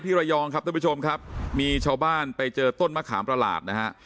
ระยองครับท่านผู้ชมครับมีชาวบ้านไปเจอต้นมะขามประหลาดนะฮะ